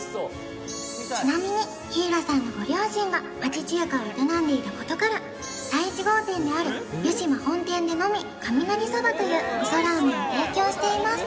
ちなみに日浦さんのご両親が町中華を営んでいたことから第一号店である湯島本店でのみカミナリそばという味噌ラーメンを提供しています